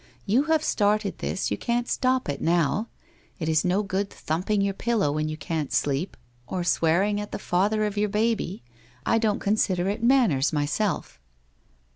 You have started this, you can't stop it now. It is no good thumping your pillow when you can't sleep, or swearing 139 140 WHITE ROSE OF WEARY LEAF at the father of your baby. I don't consider it manners, myself